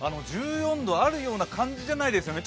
１４度あるような感じじゃないですよね。